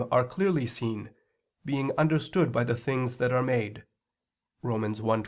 . are clearly seen, being understood by the things that are made" (Rom. 1:20).